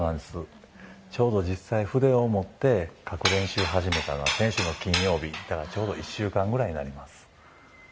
ちょうど実際、筆を持って描く練習を始めたのが先週の金曜日だからちょうど１週間くらいになります。